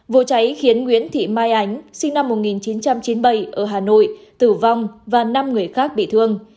vụ cháy khiến nguyễn thị mai ánh sinh năm một nghìn chín trăm chín mươi bảy ở hà nội tử vong và năm người khác bị thương